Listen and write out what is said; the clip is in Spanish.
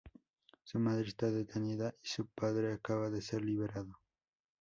Su madre está detenida y su padre acaba de ser liberado.